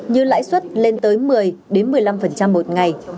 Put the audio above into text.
như lãi suất lên tới một mươi một mươi năm một ngày